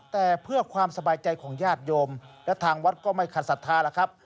แต่เพื่อความสบายใจของญาติโยมและทางวัดก็ไม่ขัดศรัทธาล่ะครับ